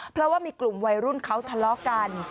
เพราะว่ามีกลุ่มวัยรุ่นเขาทะเลาะกัน